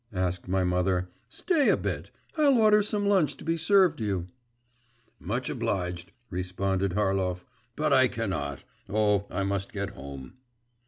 asked my mother. 'Stay a bit; I'll order some lunch to be served you.' 'Much obliged,' responded Harlov. 'But I cannot.… Oh! I must get home.